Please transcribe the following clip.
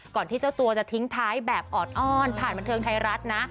ที่เจ้าตัวจะทิ้งท้ายแบบออดอ้อนผ่านบันเทิงไทยรัฐนะ